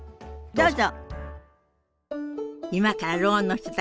どうぞ。